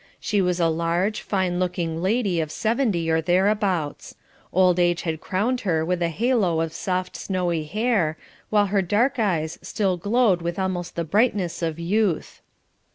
She was a large, fine looking lady of seventy or thereabouts. Old age had crowned her with a halo of soft snowy hair, while her dark eyes still glowed with almost the brightness of youth.